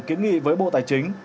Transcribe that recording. kiến nghị với bộ tài chính